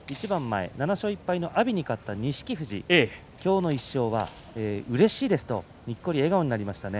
阿炎に勝った錦富士ですが今日の１勝はうれしいですとにっこり笑顔になりました。